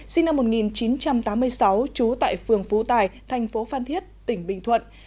sinh năm một nghìn chín trăm tám mươi sáu trú tại phường phú tài thành phố phan thiết tỉnh bình thuận